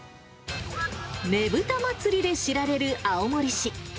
ねぶた祭で知られる青森市。